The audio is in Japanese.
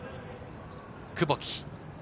久保木。